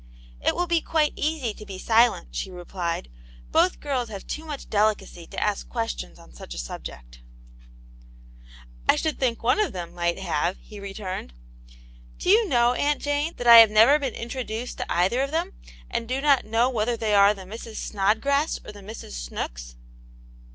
" It will be quite easy to be silent," she replied, " Both girls have too much delicacy to ask questions on such a subject" " I should think one of them might have," he re turned. "Do you know, Aunt Jane, that I have never been introduced to either of them, and do not know whether they are the Misses Snodgrass or the Misses Snooks